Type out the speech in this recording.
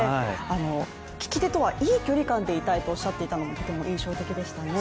聞き手とはいい距離感でいたいとおっしゃっていたのもとても印象的でしたね。